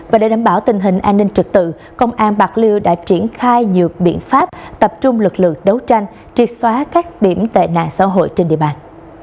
và để đảm bảo tình hình an ninh trực tự công an bạc liêu đã triển khai nhiều biện pháp tập trung lực lượng đấu tranh triệt xóa các điểm tệ nạn xã hội trên địa bàn